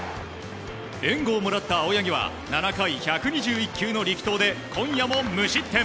援護をもらった青柳は７回、１２１球の力投で今夜も無失点。